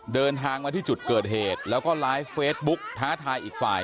เดินทางมาที่จุดเกิดเหตุแล้วก็ไลฟ์เฟซบุ๊กท้าทายอีกฝ่าย